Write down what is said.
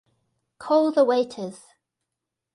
Call the waiters!